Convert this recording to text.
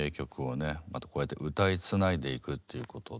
またこうやって歌いつないでいくっていうことで。